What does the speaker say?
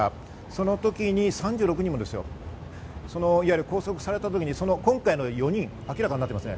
その時、３６人も拘束されたときに今回の４人、明らかになってます。